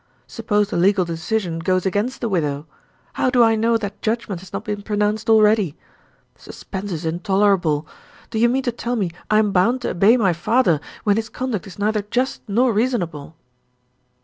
Suppose the legal decision goes against the widow? How do I know that judgment has not been pronounced already? The suspense is intolerable. Do you mean to tell me I am bound to obey my father, when his conduct is neither just nor reasonable?"